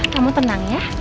kamu tenang ya